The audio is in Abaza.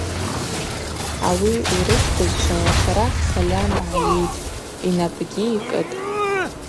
Ауи урышв бызшвала Шварах сальам гӏайыйттӏ, йнапӏгьи йкӏытӏ.